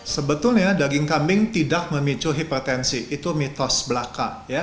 sebetulnya daging kambing tidak memicu hipertensi itu mitos belaka